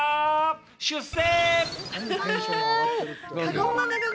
出世！